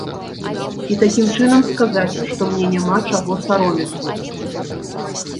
І такім чынам сказаць, што мне няма чаго саромецца.